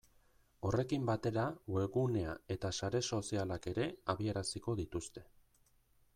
Horrekin batera webgunea eta sare sozialak ere abiaraziko dituzte.